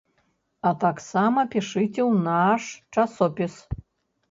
А таксама пішыце ў наш часопіс.